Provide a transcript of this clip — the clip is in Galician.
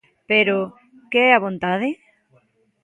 Pero ¿que é a vontade?